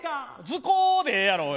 「ずこー」でええやろ。